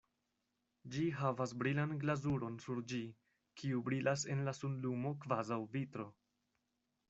Ĝi havas brilan glazuron sur ĝi, kiu brilas en la sunlumo kvazaŭ vitro.